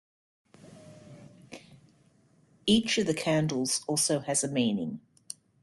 Each of the candles also has a meaning.